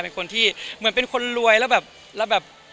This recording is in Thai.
เป็นคนที่เหมือนเป็นคนรวยแล้วแบบ